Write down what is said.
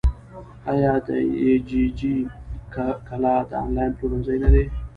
آیا دیجیجی کالا د انلاین پلورنځی نه دی؟